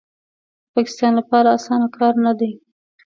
د پاکستان لپاره اسانه کار نه دی